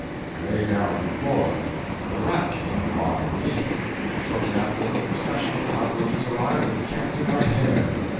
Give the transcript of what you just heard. I lay down on the floor. But a rat came and bothered me, and shortly afterward a procession of cockroaches arrived and camped in my hair.